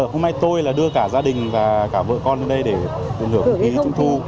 hôm nay tôi là đưa cả gia đình và cả vợ con lên đây để tận hưởng không khí trung thu